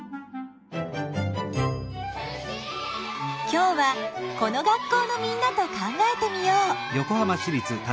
今日はこの学校のみんなと考えてみよう！